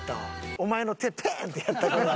お前の手ペン！ってやった子が。